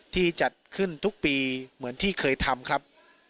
จัดขึ้นทุกปีเหมือนที่เคยทำครับ